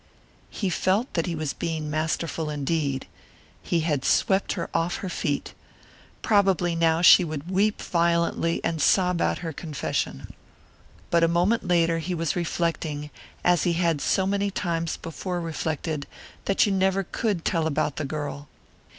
He felt that he was being masterful indeed. He had swept her off her feet. Probably now she would weep violently and sob out her confession. But a moment later he was reflecting, as he had so many times before reflected, that you never could tell about the girl.